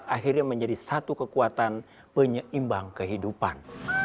akhirnya menjadi satu kekuatan penyeimbang kehidupan